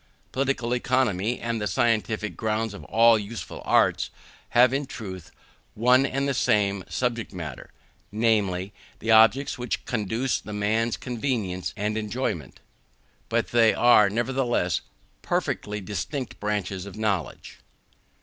Political Economy, and the scientific grounds of all the useful arts, have in truth one and the same subject matter; namely, the objects which conduce to man's convenience and enjoyment: but they are, nevertheless, perfectly distinct branches of knowledge.